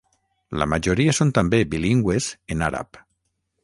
La majoria són també bilingües en àrab.